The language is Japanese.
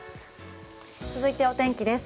続いて、お天気です。